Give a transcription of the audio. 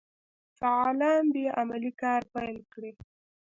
فعالان دي عملي کار پیل کړي.